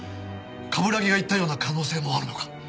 冠城が言ったような可能性もあるのか？